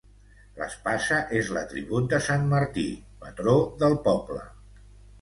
L'espasa és l'atribut de sant Martí, patró del poble.